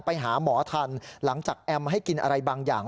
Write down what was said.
ไปหาหมอทันหลังจากแอมให้กินอะไรบางอย่าง